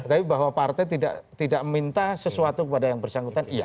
tapi bahwa partai tidak minta sesuatu kepada yang bersangkutan